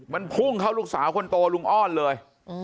มันพุ่งเข้าลูกสาวคนโตลุงอ้อนเลย